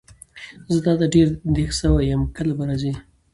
زه تاته ډېر دیغ سوی یم کله به راځي؟